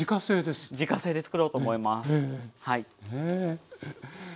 自家製でつくろうと思います。ね。